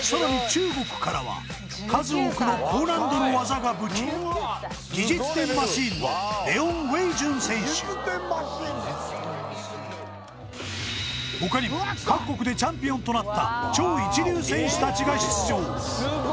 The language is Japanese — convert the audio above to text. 中国からは数多くの高難度の技が武器他にも各国でチャンピオンとなった超一流選手たちが出場